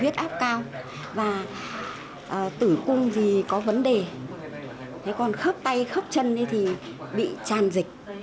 tử cung thì có vấn đề còn khớp tay khớp chân thì bị tràn dịch